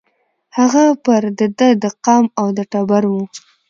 هغه پر د ده د قام او د ټبر وو